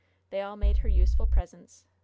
They all made her useful presents. Mr.